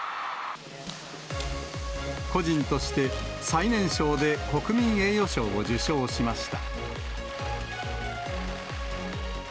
個人として最年少で国民栄誉賞を受賞しました。